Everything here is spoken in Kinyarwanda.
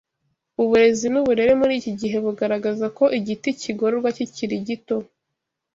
Uburezi n’uburere muri iki gihe bugaragaza ko Igiti kigororwa kikiri gito